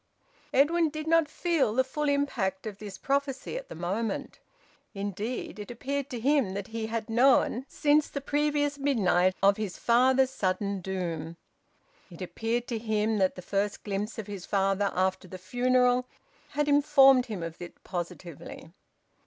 Edwin did not feel the full impact of this prophecy at the moment. Indeed, it appeared to him that he had known since the previous midnight of his father's sudden doom; it appeared to him that the first glimpse of his father after the funeral had informed him of it positively.